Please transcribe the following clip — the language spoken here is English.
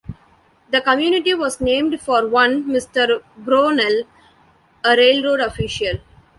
The community was named for one Mr. Brownell, a railroad official.